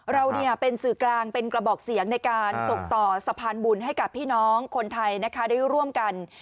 เราเป็นสื่อกลางเป็นกระบอกเสียงในการส่งต่อสะพานบุญให้กับพี่น้องคนไทยนะคะได้ร่วมกัน